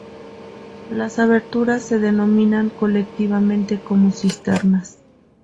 Las aberturas se denominan colectivamente como cisternas.